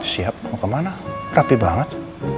siap mau kemana rapi banget